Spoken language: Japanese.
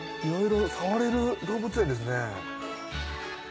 いろいろ触れる動物園ですね。